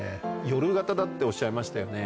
夜型だっておっしゃいましたよね